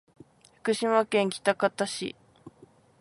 福島県喜多方市